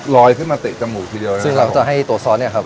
ขึ้นมาเตะจมูกทีเดียวนะครับซึ่งเราก็จะให้ตัวซอสเนี่ยครับ